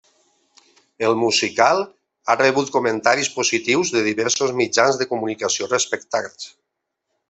El musical ha rebut comentaris positius de diversos mitjans de comunicació respectats.